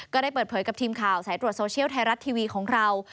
ก็ได้เปิดเผยกับทีมข่าวสายตรวจโซเชียลไทยรัฐทีวีของเรา